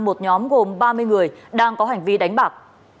một nhóm gồm ba mươi người đang có hành vi đánh bạc